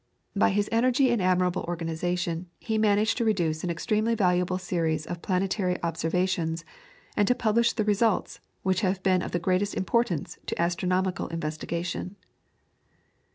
BY his energy and admirable organisation he managed to reduce an extremely valuable series of planetary observations, and to publish the results, which have been of the greatest importance to astronomical investigation.